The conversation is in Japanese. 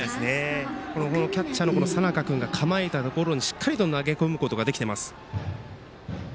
このキャッチャーの佐仲君が構えたところにしっかりと投げ込むことができています。